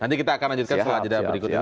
nanti kita akan lanjutkan selanjutnya berikutnya